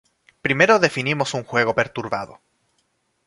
Primero definimos un juego perturbado.